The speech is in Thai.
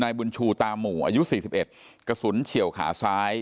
บุญชูตาหมู่อายุ๔๑กระสุนเฉียวขาซ้าย